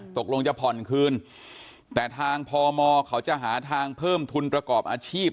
ตกลงจะผ่อนคืนแต่ทางพมเขาจะหาทางเพิ่มทุนประกอบอาชีพ